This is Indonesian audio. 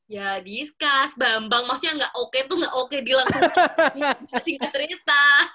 ya discuss bambang maksudnya gak oke tuh gak oke dilangsung singkat cerita